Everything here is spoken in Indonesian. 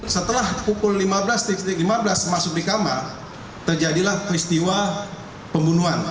setelah pukul lima belas lima belas masuk di kamar terjadilah peristiwa pembunuhan